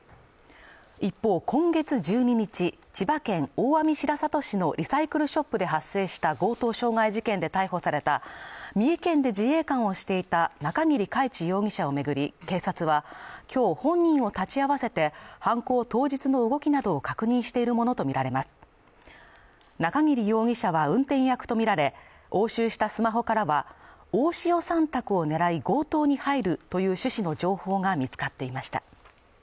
一方今月１２日千葉県大網白里市のリサイクルショップで発生した強盗傷害事件で逮捕された三重県で自衛官をしていた中桐海知容疑者をめぐり警察は今日本人を立ち会わせて犯行当日の動きなどを確認しているものと見られます中桐容疑者は運転役とみられ押収したスマホからは大塩さん宅を狙い強盗に入るという趣旨の情報が見つかっていました